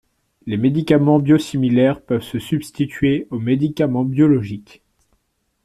Les médicaments biosimilaires peuvent se substituer aux médicaments biologiques.